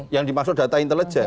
yang dimaksud data intelijen